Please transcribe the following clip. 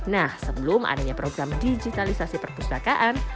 nah sebelum adanya program digitalisasi perpustakaan